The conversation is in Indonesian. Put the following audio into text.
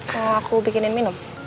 mau aku bikinin minum